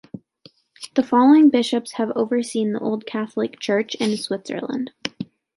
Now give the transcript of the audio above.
The following bishops have overseen the Old Catholic Church in Switzerland.